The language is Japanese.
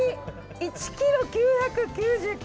１ｋｇ９９９円。